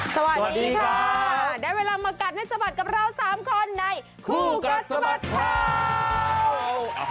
สวัสดีค่ะได้เวลามากัดให้สะบัดกับเรา๓คนในคู่กัดสะบัดข่าว